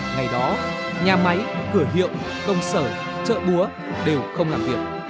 ngày đó nhà máy cửa hiệu công sở chợ chợ búa đều không làm việc